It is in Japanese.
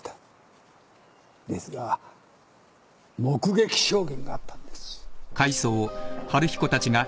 ですが目撃証言があったんです。